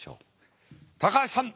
高橋さん